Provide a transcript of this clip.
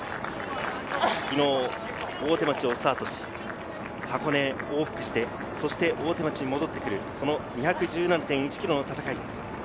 昨日、大手町をスタートし、箱根を往復して大手町に戻ってくる２１７．１ｋｍの戦い。